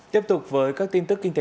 tiếp tục với các tin tức kinh tế